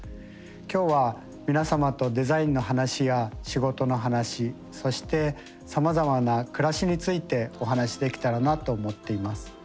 今日は皆様とデザインの話や仕事の話そしてさまざまな暮らしについてお話しできたらなと思っています。